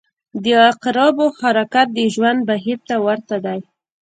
• د عقربو حرکت د ژوند بهیر ته ورته دی.